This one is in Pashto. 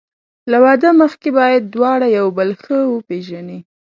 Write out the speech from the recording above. له واده مخکې باید دواړه یو بل ښه وپېژني.